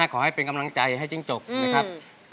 ขอให้เป็นกำลังใจให้จิ้งจกนะครับ